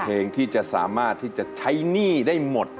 เพลงที่จะสามารถที่จะใช้หนี้ได้หมด